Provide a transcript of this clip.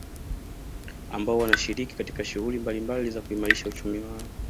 Ambao wanashiriki katika shuhguli mbalimbali za kuimarisha uchumi wao